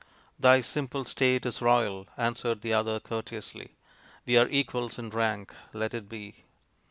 " Thy simple state is royal," answered the other courteously. " We are equals in rank. Let it be."